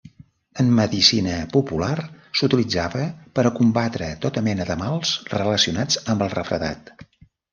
En medicina popular s'utilitzava per a combatre tota mena de mals relacionats amb el refredat.